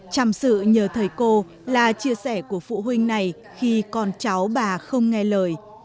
chầm sự nhờ thầy cô là chia sẻ của phụ huynh này khi con cháu bà không nghe lời